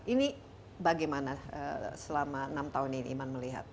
ini bagaimana selama enam tahun ini iman melihat